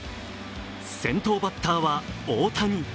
先頭バッターは大谷。